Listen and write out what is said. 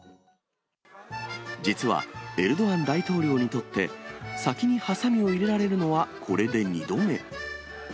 実はエルドアン大統領にとって、先にはさみを入れられるのはこれで２度目。